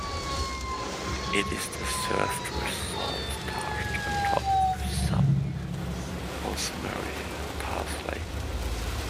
It is then served with salt dashed on top with some rosemary and parsley.